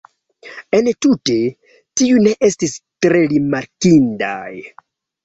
Entute, tiuj ne estis tre rimarkindaj.